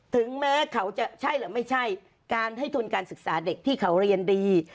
ถึงแม้เขาจะใช่หรือไม่ใช่การให้ทุนการศึกษาเด็กที่เขาเรียนดี